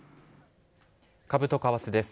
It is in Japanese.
株と為替です。